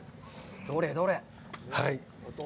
どれ、どれ？